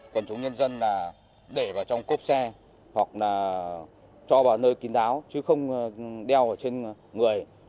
quần chúng nhân dân để vào trong cốp xe hoặc cho vào nơi kín đáo chứ không đeo ở trên người